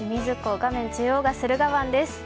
画面中央が駿河湾です。